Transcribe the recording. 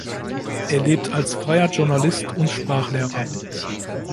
Er lebte als freier Journalist und Sprachlehrer.